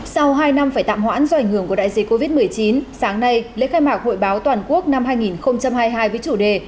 sau hai năm phải tạm hoãn do ảnh hưởng của đại dịch covid một mươi chín sáng nay lễ khai mạc hội báo toàn quốc năm hai nghìn hai mươi hai với chủ đề